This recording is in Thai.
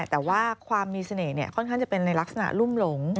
แต่ว่าความมีเสน่ห์ค่อนข้างจะเป็นในลักษณะรุ่มหลง